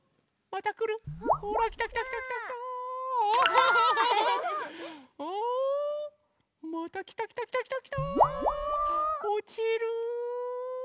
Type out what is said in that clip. おちる。